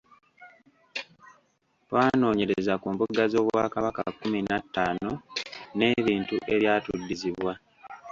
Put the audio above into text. Twanoonyereza ku mbuga z’Obwakabaka kkumi na ttaano n’ebintu ebyatuddizibwa.